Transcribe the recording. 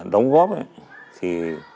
đóng góp ấy